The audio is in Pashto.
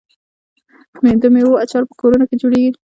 د میوو اچار په کورونو کې جوړیږي.